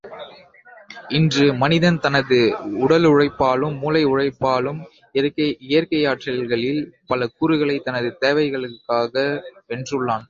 இன்று மனிதன் தனது உடலுழைப்பாலும், மூளை உழைப்பாலும், இயற்கையாற்றல்களில் பல கூறுகளை தனது தேவைகளுக்காக வென்றுள்ளான்.